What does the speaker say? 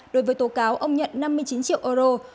đối với tố cáo ông nhận năm mươi triệu đồng